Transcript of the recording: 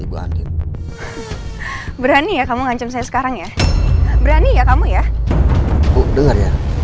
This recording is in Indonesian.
bu denger ya